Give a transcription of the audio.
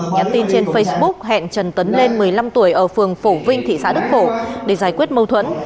nhắn tin trên facebook hẹn trần tấn lên một mươi năm tuổi ở phường phổ vinh thị xã đức phổ để giải quyết mâu thuẫn